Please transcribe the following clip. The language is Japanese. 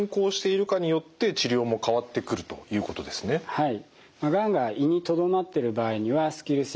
はい。